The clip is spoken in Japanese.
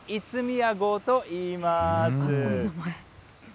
かっこいい名前。